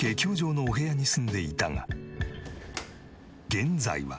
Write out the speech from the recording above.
現在は。